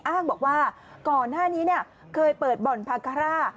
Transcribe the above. อ้างบอกว่าก่อนหน้านี้เคยเปิดบ่อนพาคาร่า